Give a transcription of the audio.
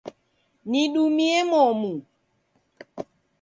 Nidumie momu.